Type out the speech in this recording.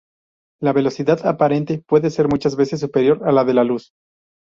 La velocidad aparente puede ser muchas veces superior a la de la luz.